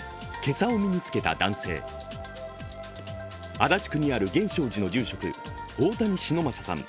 足立区にある源証寺の住職、大谷忍昌さん